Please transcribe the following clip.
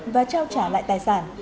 và trao trả lại tài sản